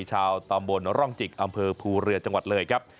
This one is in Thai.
ชาวตำบลร่องจิกอำเภอภูเรือจังหวัดเลยครับ